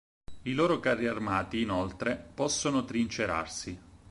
I loro carri armati, inoltre, possono trincerarsi.